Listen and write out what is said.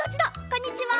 こんにちは。